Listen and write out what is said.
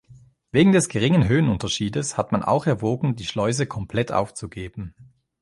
Wegen des geringen Höhenunterschiedes hatte man auch erwogen, die Schleuse komplett aufzugeben.